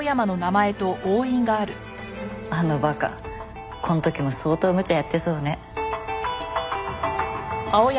あの馬鹿この時も相当無茶やってそうね。